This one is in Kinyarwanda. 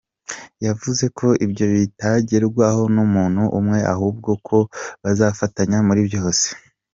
Yavuze ko ibyo bitagerwaho n’umuntu umwe ahubwo ko bazafatanya muri byose.